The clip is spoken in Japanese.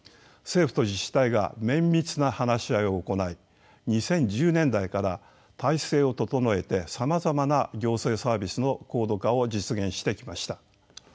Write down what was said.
政府と自治体が綿密な話し合いを行い２０１０年代から体制を整えてさまざまな行政サービスの高度化を実現してきました。